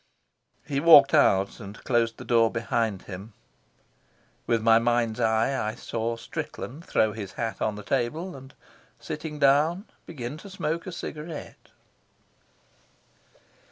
He walked out and closed the door behind him. With my mind's eye I saw Strickland throw his hat on a table, and, sitting down, begin to smoke a cigarette.